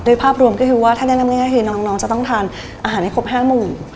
ภาพรวมก็คือว่าถ้าแนะนำง่ายคือน้องจะต้องทานอาหารให้ครบ๕หมู่